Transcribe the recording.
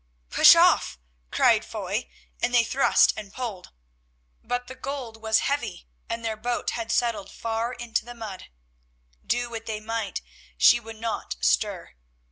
"Push off," cried Foy, and they thrust and pulled. But the gold was heavy, and their boat had settled far into the mud. Do what they might, she would not stir.